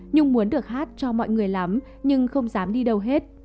nhưng muốn được hát cho mọi người lắm nhưng không dám đi đâu hết